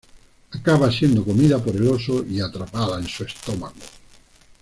Acaba siendo comida por el oso y atrapada en su estómago.